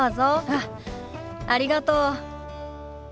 あっありがとう。